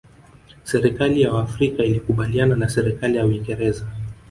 serikali ya waafrika ilikubaliana na serikali ya uingereza